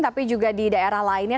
tapi juga di daerah lainnya